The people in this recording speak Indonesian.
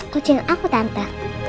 kucing aku tante